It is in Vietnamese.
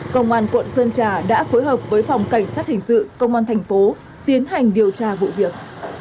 công an quận sơn trà đã phối hợp với phòng cảnh sát hình sự công an thành phố tiến hành điều tra vụ việc